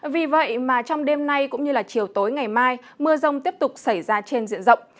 vì vậy mà trong đêm nay cũng như chiều tối ngày mai mưa rông tiếp tục xảy ra trên diện rộng